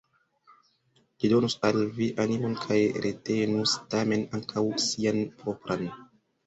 Li donus al vi animon kaj retenus tamen ankaŭ sian propran.